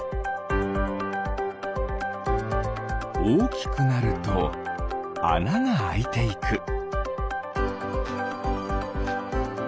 おおきくなるとあながあいていく。